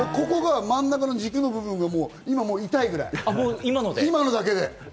真ん中の軸の部分がもう痛いぐらい、今のだけで。